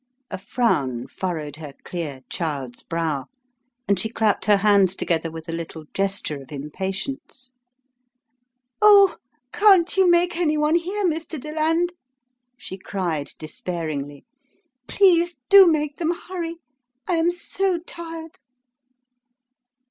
A frown furrowed her clear, child's brow and she clapped her hands together with a little gesture of impatience. "Oh, can't you make any one hear, Mr. Deland?" The Home Coming 19 she cried despairingly. "Please do make them hurry. I am so tired."